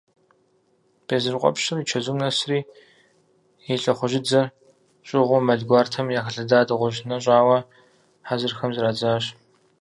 Безрыкъуэпщыр и чэзум нэсри, и лӏыхъужьыдзэр щӏыгъуу, мэл гуартэм яхэлъэда дыгъужь нэщӏауэ, хъэзэрхэм зрадзащ.